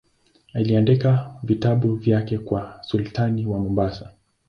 Aliandika vitabu vyake kwa sultani wa Mombasa.